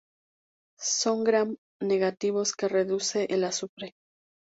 Son gram negativos que reducen el azufre.